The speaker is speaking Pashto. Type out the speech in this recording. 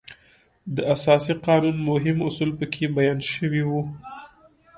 د اساسي قانون مهم اصول په کې بیان شوي وو.